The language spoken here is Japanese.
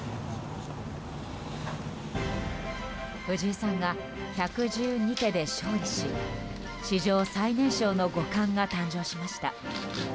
藤井さんが１１２手で勝利し史上最年少の五冠が誕生しました。